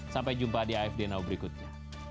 sampai jumpa di afd now berikutnya